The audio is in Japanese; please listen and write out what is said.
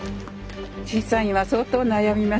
審査員は相当悩みますね。